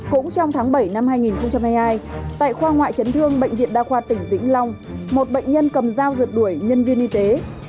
cũng trong tháng bảy năm hai nghìn hai mươi hai tại khoa ngoại chấn thương bệnh viện đa khoa tỉnh vĩnh long một bệnh nhân cầm dao rượt đuổi nhân viên y tế